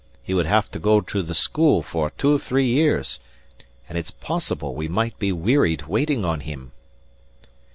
He would have to go to the school for two three years; and it's possible we might be wearied waiting on him."